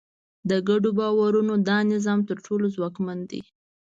د ګډو باورونو دا نظام تر ټولو ځواکمن دی.